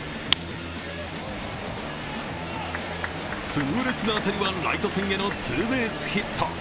痛烈な当たりはライト線へのツーベースヒット。